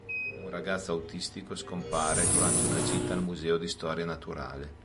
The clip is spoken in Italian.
Un ragazzo autistico scompare durante una gita al Museo di Storia Naturale.